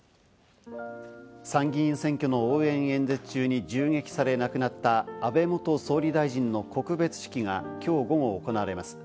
参議院選挙の応援演説中に銃撃され亡くなった安倍元総理大臣の告別式が今日午後、行われます。